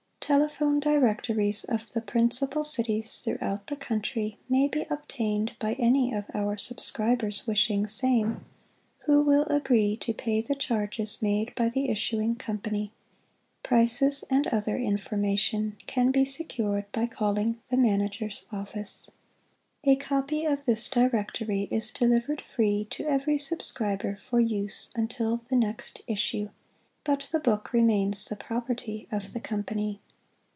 Telephone Directories of the Principal Cities throughout the Country may be obtained by any of our subscribers wishing sarfie, who will agree to pay the charges made by the issuing company. Prices and other information can be secured by calling the Manager's office. A Copy of this Directory is delivered free to every subscriber for use until the next issue, but the book remains the property of the Com pany.